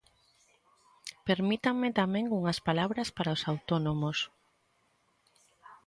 Permítanme tamén unhas palabras para os autónomos.